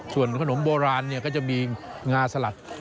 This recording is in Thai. ส่วนขนมโบราณก็จะมีงาสลัด